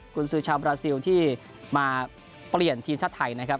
คุณซื้อชาวบราซิลที่มาเปลี่ยนทีมชาติไทยนะครับ